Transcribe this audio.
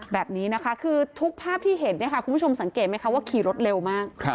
แบบนี้นะคะคือทุกภาพที่เห็นคุณผู้ชมสังเกตไหมคะว่าขี่รถเร็วมาก